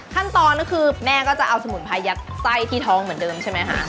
ขั้นตอนก็คือแม่ก็จะเอาสมุนไพรยัดไส้ที่ท้องเหมือนเดิมใช่ไหมคะ